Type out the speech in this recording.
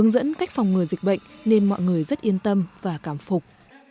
dẫn cách phòng ngừa dịch bệnh nên mọi người rất yên tâm và cảm phục